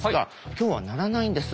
今日は鳴らないんです。